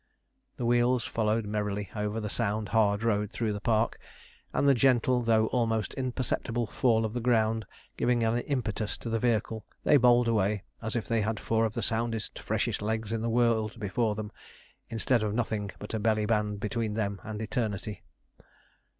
The wheels followed merrily over the sound, hard road through the park, and the gentle though almost imperceptible fall of the ground giving an impetus to the vehicle, they bowled away as if they had four of the soundest, freshest legs in the world before them, instead of nothing but a belly band between them and eternity.